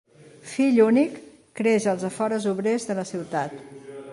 Fill únic, creix als afores obrers de la ciutat.